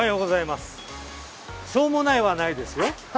しょーもないはないですよ。